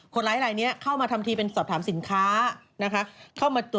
ขวดไร้เนี่ยเข้ามาทำทีเป็นสอบถามสินค้า